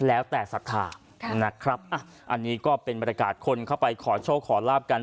อันนี้ก็เป็นบรรทากาศข้อนเข้าไปขอโชคขอลาบกัน